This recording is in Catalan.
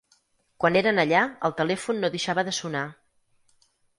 Quan eren allà el telèfon no deixava de sonar.